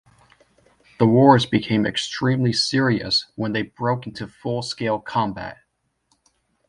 The wars became extremely serious when they broke into full scale combat.